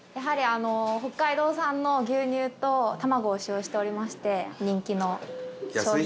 北海道産の牛乳と卵を使用しておりまして人気の商品。